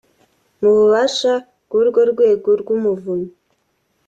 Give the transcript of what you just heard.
mu bubasha bw’urwo rwego rw’Umuvunyi